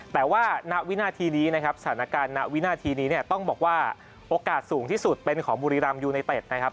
แต่ว่าสถานการณ์นักวินาทีนี้ต้องบอกว่าโอกาสสูงที่สุดเป็นของบุรีรามยูไนเต็ดนะครับ